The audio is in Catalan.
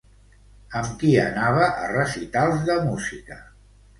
Amb qui anava a recitals de música?